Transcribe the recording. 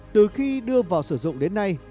từ khi đưa vào sử dụng đến nay